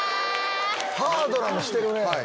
ハードなのしてるね。